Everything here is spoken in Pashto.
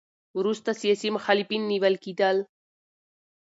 وروسته سیاسي مخالفین نیول کېدل.